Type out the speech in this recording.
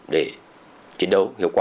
để chiến đấu hiệu quả